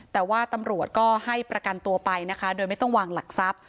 แต่ว่าตำรวจก็ให้ประกันตัวไปนะคะโดยไม่ต้องวางหลักทรัพย์